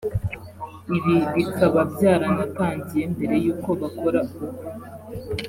ibi bikaba byaranatangiye mbere y’uko bakora ubukwe